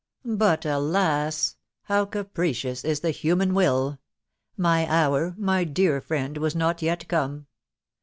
But, alas ! how capricious is the human will !.... my hour, my dear friend, was not yet come.